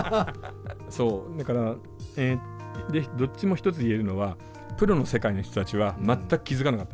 だからどっちも一つ言えるのはプロの世界の人たちは全く気付かなかったんです。